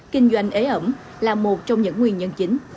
kinh doanh ế ẩm là một trong những nguyên nhân chính